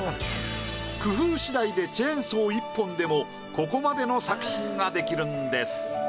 工夫次第でチェーンソー１本でもここまでの作品ができるんです。